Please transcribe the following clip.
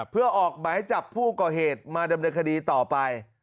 เพื่อออกหมายจับผู้ก่อเหตุมาดำเนินคดีต่อไป